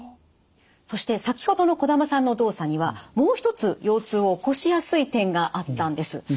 そして先ほどの児玉さんの動作にはもう一つ腰痛を起こしやすい点があったんです。